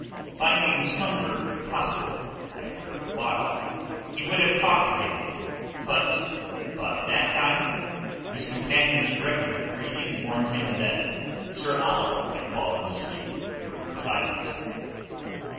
Finding slumber impossible after a while he would have talked again; but by that time his companion's regular breathing warned him that Sir Oliver had fallen asleep during the silence.